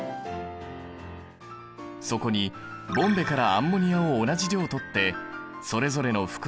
そこにボンベからアンモニアを同じ量取ってそれぞれの袋の中に注入する。